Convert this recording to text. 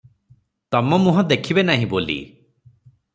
ତମ ମୁହଁ ଦେଖିବେ ନାହିଁ ବୋଲି ।